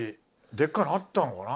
でっかいのあったのかな？